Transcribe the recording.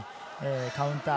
カウンター。